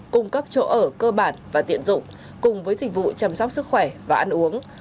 cung cấp chỗ ở cơ bản và tiện dụng cùng với dịch vụ chăm sóc sức khỏe và ăn uống